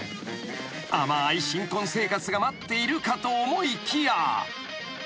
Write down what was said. ［甘い新婚生活が待っているかと思いきや］